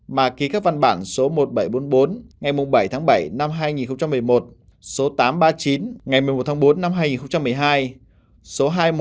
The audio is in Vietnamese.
mà ký các văn bản số một nghìn bảy trăm bốn mươi bốn ngày bảy tháng bảy năm hai nghìn một mươi một số tám trăm ba mươi chín ngày một mươi một tháng bốn năm hai nghìn một mươi một